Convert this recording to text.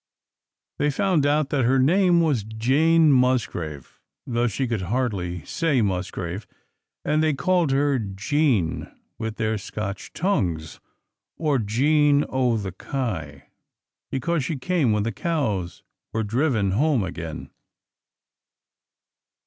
They found out that her name was Jane Musgrave, though she could hardly say Musgrave; and they called her Jean, with their Scotch tongues, or "Jean o' the Kye," because she came when the cows were driven home again.